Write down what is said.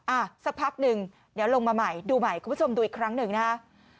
อ่ะสักพักหนึ่งเดี๋ยวลงมาใหม่ดูใหม่คุณผู้ชมดูอีกครั้งหนึ่งนะฮะ